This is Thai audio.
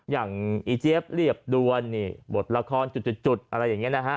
อย่างอีเจฟเรียบดวนบทละครจุดอะไรอย่างนี้นะฮะ